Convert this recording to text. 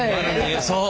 そう。